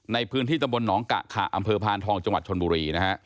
ในพื้นที่ตำบลหนองกะขะอำเภอพานทองจังหวัดชนบุรีนะฮะ